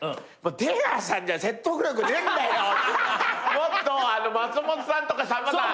「もっと松本さんとかさんまさん